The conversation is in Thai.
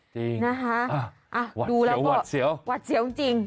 จริงวัดเสียววัดเสียวจริง